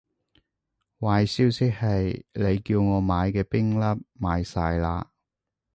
壞消息係，你叫我買嘅冰粒賣晒喇